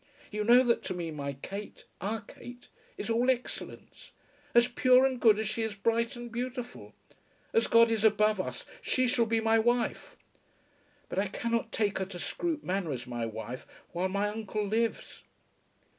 You know that to me my Kate, our Kate, is all excellence, as pure and good as she is bright and beautiful. As God is above us she shall be my wife, but I cannot take her to Scroope Manor as my wife while my uncle lives."